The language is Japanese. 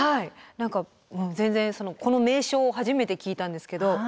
何か全然この名称を初めて聞いたんですけど。